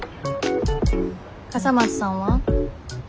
笠松さんは？